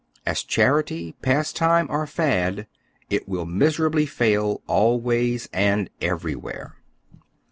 As charity, pastime, or fad, it will miserably fail, always and everywhere.